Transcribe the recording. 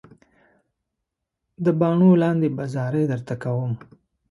د باڼو لاندې به زارۍ درته کوم.